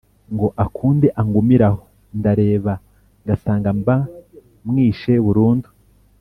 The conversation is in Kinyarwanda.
Ngo akunde angumire aho, Ndareba ngasangaMba mwishe burundu,